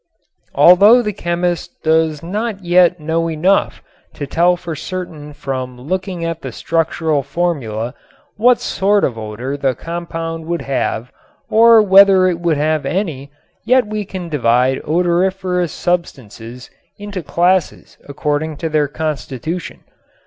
Although the chemist does not yet know enough to tell for certain from looking at the structural formula what sort of odor the compound would have or whether it would have any, yet we can divide odoriferous substances into classes according to their constitution.